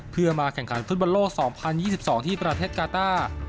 เพื่อมาแข่งขันธุรกิจสุดบนโลก๒๐๒๒ที่ประเทศกาต้า